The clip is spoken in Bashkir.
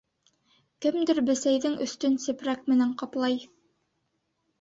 Кемдер бесәйҙең өҫтөн сепрәк менән ҡаплай.